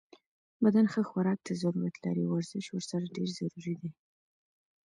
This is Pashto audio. بدن ښه خوراک ته ضرورت لری او ورزش ورسره ډیر ضروری ده